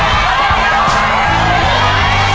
๓๑พวง